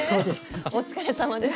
お疲れさまです。